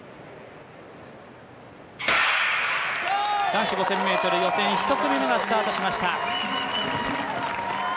男子５０００ｍ予選１組目がスタートしました。